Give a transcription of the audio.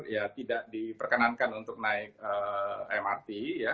ya tidak diperkenankan untuk naik mrt ya